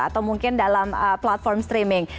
atau mungkin dalam platform streaming